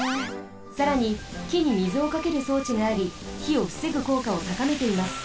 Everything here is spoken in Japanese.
さらにきに水をかけるそうちがありひをふせぐこうかをたかめています。